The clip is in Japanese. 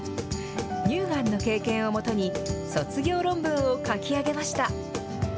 乳がんの経験をもとに、卒業論文を書き上げました。